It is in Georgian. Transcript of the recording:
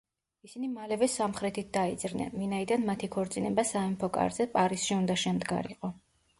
ისინი მალევე სამხრეთით დაიძრნენ, ვინაიდან მათი ქორწინება სამეფო კარზე, პარიზში უნდა შემდგარიყო.